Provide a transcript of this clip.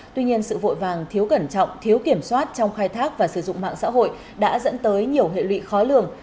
tuy nhiên sự vội vàng thiếu cẩn trọng thiếu kiểm soát trong khai thác và sử dụng mạng xã hội đã dẫn tới nhiều hệ lụy khó lường